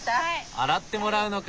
洗ってもらうのか。